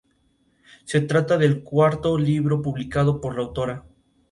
Se trata del cuarto libro publicado por la autora.